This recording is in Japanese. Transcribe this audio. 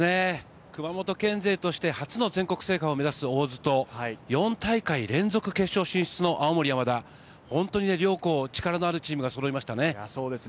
熊本県勢として初の全国制覇を目指す大津と４大会連続決勝進出の青森山田、本当に両校、力のあるチームがそろいましたね。